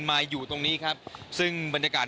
มาอยู่ตรงนี้ครับซึ่งบรรยากาศ